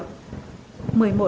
một mươi một ngôi nhà sàn